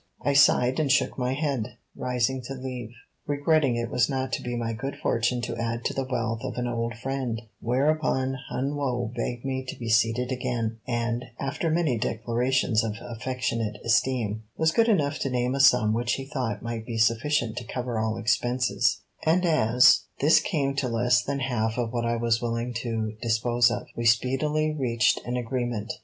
I sighed and shook my head, rising to leave, regretting it was not to be my good fortune to add to the wealth of an old friend, whereupon Hun Woe begged me to be seated again, and, after many declarations of affectionate esteem, was good enough to name a sum which he thought might be sufficient to cover all expenses; and as this came to less than half of what I was willing to dispose of, we speedily reached an agreement.